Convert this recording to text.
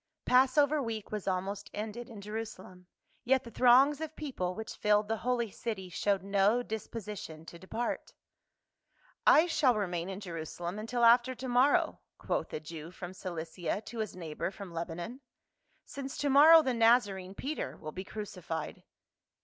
PASSOVER week was almost ended in Jerusalem, yet the throngs of people which filled the holy city showed no disposition to depart. " I shall remain in Jerusalem until after to morrow," quoth a Jew from Cilicia to his neighbor from Leba non, "since to morrow the Nazarene, Peter, will be crucified."